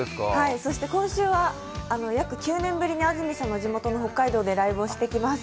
今週は、約９年ぶりに安住さんの地元の北海道でライブをしてきます。